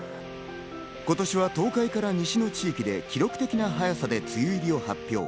今年は東海から西の地域で記録的な早さで梅雨入りを発表。